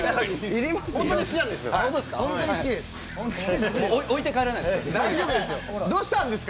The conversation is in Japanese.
要ります？